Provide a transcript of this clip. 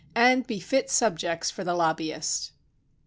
" and be fit subjects for the lobbyist.